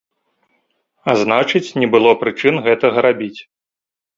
А значыць не было прычын гэтага рабіць.